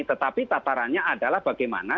tetapi tatarannya adalah bagaimana